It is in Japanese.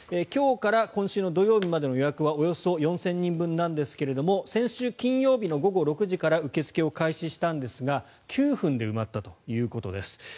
今日から今週土曜日までの予約はおよそ４０００人分なんですけれども先週金曜日の午後６時から受け付けを開始したんですが９分で埋まったということです。